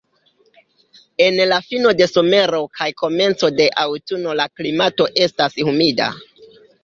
En la fino de somero kaj komenco de aŭtuno la klimato estas humida.